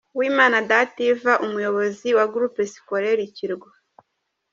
Uwimana Dathive, Umuyobozi wa Groupe Scolaire Kirwa.